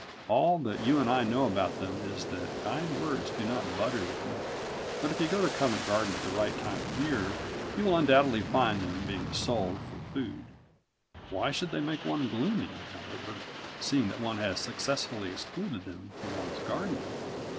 All that you and I know about them is that kind words do not butter them; but, if you go to Covent Garden at the right time of the year, you will undoubtedly find them being sold for food. Why should they make one gloomy, however, seeing that one has successfully excluded them from one's garden?